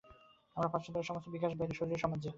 আর পাশ্চাত্যে ঐ সমস্ত বিকাশ বাইরে, শরীরে, সমাজে।